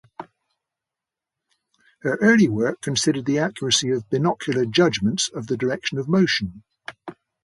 Her early work considered the accuracy of binocular judgements of the direction of motion.